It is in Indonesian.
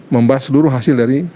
membahas seluruh hasil dari